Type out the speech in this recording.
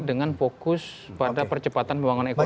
dengan fokus pada percepatan pembangunan ekonomi